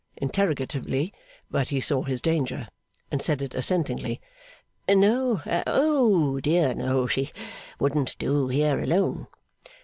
interrogatively, but he saw his danger and said it assentingly, 'No, Oh dear no; she wouldn't do here alone.